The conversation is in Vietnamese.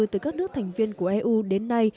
từ các nước thành viên của eu đến nay